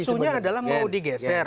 isunya adalah mau digeser